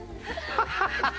ハハハハ！